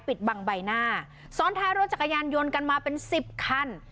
ปิดบังใบหน้าซ้อนท้ายรถจักรยานยนต์กันมาเป็นสิบคัน